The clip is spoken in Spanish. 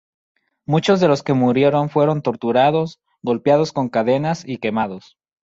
Muchos de los que murieron fueron torturados, golpeados con cadenas y quemados.